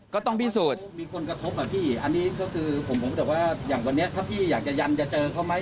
ก็ต้องพิสูจน์มีคนกระทบอ่ะพี่อันนี้ก็คือผมแต่ว่าอย่างวันนี้ถ้าพี่อยากจะยันจะเจอเขาไหม